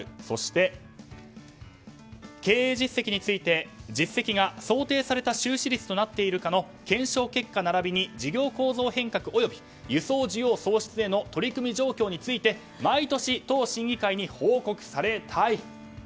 そして、経営実績について実績が想定された収支率となっているかの検証結果並びに事業構造変革及び輸送需要創出への取組状況について毎年、当審議会に報告されたい。